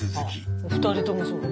あ２人ともそう。